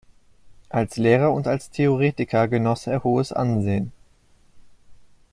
Als Lehrer und als Theoretiker genoss er hohes Ansehen.